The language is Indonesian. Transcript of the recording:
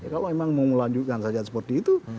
kalau memang mau melanjutkan saja seperti itu